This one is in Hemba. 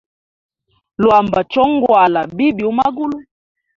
Iyamba chongwala bibi umagulu.